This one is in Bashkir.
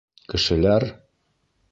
Кешеләр?